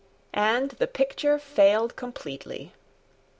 And the picture failed completely.